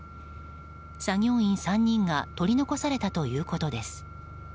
作業員３人が取り残されたということです。